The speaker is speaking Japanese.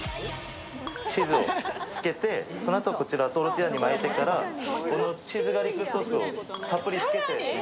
チーズをつけて、そのあと、トルティーヤに巻いてチーズガーリックソースをたっぷりかけて。